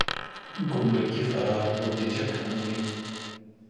ګمرکي فرار بودیجه کموي.